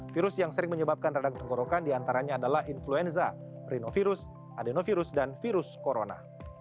virus yang sering menyebabkan radang tenggorokan diantaranya adalah influenza rinovirus adenovirus dan virus corona